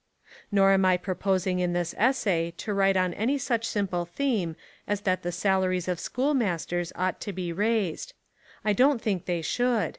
Nor am I proposing in this essay to write on any such simple theme as that the salaries of schoolmasters ought to be raised. I don't think they should.